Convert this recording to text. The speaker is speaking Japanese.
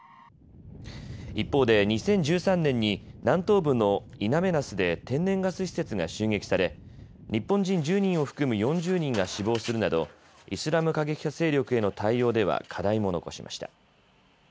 一方で２０１３年に南東部のイナメナスで天然ガス施設が襲撃され日本人１０人を含む４０人が死亡するなどイスラム過激派勢力への対応では課題も残しました。